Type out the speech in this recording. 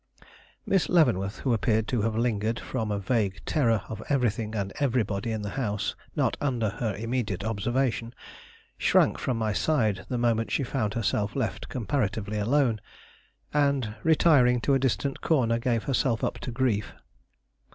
Miss Leavenworth, who appeared to have lingered from a vague terror of everything and everybody in the house not under her immediate observation, shrank from my side the moment she found herself left comparatively alone, and, retiring to a distant corner, gave herself up to grief.